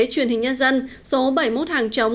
truyền hình nhân dân số bảy mươi một hàng chống